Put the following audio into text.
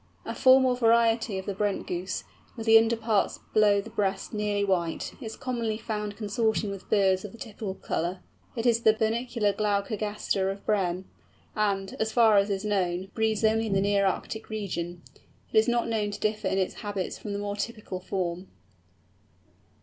A form or variety of the Brent Goose, with the under parts below the breast nearly white, is commonly found consorting with birds of the typical colour. It is the Bernicla glaucogaster of Brehm, and, as far as is known, breeds only in the Nearctic region. It is not known to differ in its habits from the more typical form.